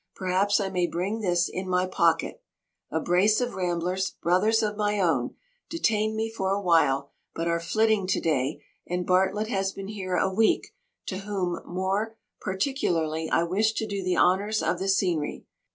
Perhaps I may bring this in my pocket. A brace of ramblers, brothers of my own, detained me for a while, but are flitting to day; and Bartlett has been here a week, to whom, more particularly, I wish to do the honours of the scenery.